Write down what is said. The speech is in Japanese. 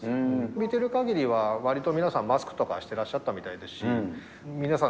見てる限りは、わりと皆さん、マスクとかしてらっしゃったみたいですし、皆さん、